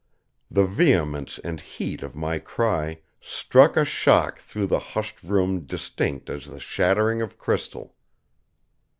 The vehemence and heat of my cry struck a shock through the hushed room distinct as the shattering of crystal.